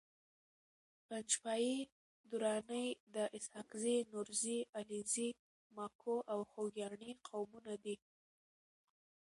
پنجپاي دراني د اسحاقزي، نورزي، علیزي، ماکو او خوګیاڼي قومونو دي